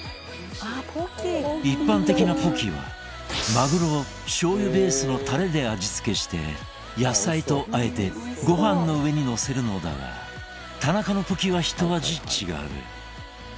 一般的なポキはマグロをしょうゆベースのタレで味付けして野菜とあえてご飯の上にのせるのだが田中のポキはひと味違う。